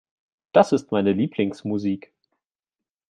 Das ist meine Lieblingsmusik.